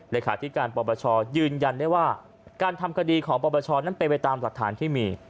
เลขาธิการปปชยืนยันได้ว่าการทำคดีของปปชนั้นเป็นไปตามหลักฐานที่มี